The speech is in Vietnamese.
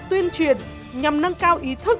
tuyên truyền nhằm nâng cao ý thức